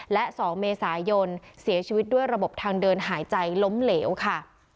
และ๒เมษายนเสียชีวิตด้วยระบบทางเดินหายใจล้มเหลวค่ะ